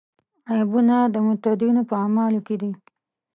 عیبونه د متدینو په اعمالو کې دي.